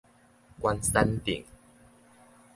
關山鎮